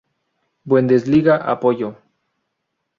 Bundesliga apoyo.